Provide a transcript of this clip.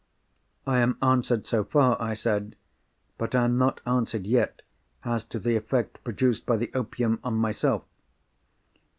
"I am answered so far," I said; "but I am not answered yet as to the effect produced by the opium on myself."